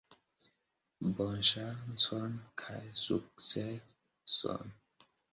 Bonŝancon kaj sukceson!